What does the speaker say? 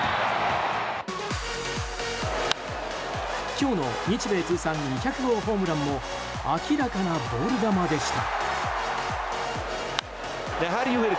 今日の日米通算２００号ホームランも明らかなボール球でした。